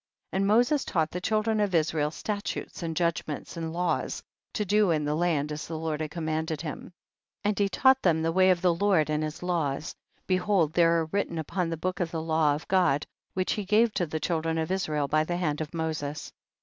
7. And Moses taught the child ren of Israel statutes and judgments and laws to do in the land as the Lord had commanded him. 8. And he taught them the way of the Lord and his laws ; behold they are written upon the book of the law of God which he gave to the children of Israel by the hand of Moses.